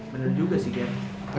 bener juga sih ger